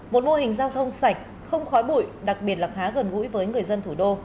một mô hình giao thông sạch không khói bụi đặc biệt là khá gần gũi với người dân thủ đô